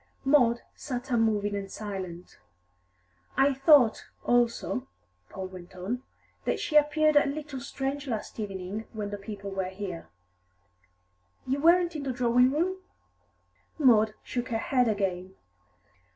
Maud sat unmoving and silent. "I thought, also," Paul went on, "that she appeared a little strange last evening, when the people were here. You weren't in the drawing room?" Maud shook her head again.